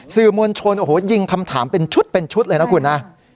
สื่อมันชนยิงคำถามเป็นชุดเลยนะคุณ